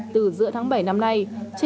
từ giữa tháng bảy năm nay